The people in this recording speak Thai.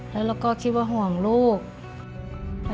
แล้วเราก็คิดว่าห่วงลูก